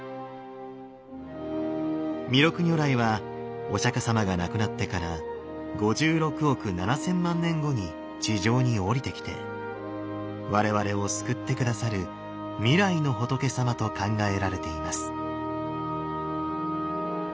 弥勒如来はお釈様が亡くなってから５６億７，０００万年後に地上に降りてきて我々を救って下さる未来の仏様と考えられています。